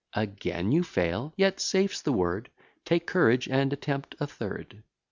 Again you fail: yet Safe's the word; Take courage and attempt a third.